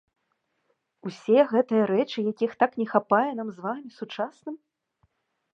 Усе гэтыя рэчы, якіх так не хапае нам з вамі, сучасным?